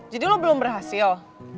jadi lo belum berhasil